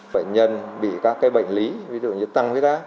bệnh nhân bị các bệnh lý ví dụ như tăng huyết áp